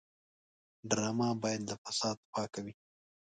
ډرامه باید له فساد پاکه وي